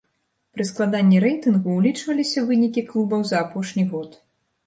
Пры складанні рэйтынгу ўлічваліся вынікі клубаў за апошні год.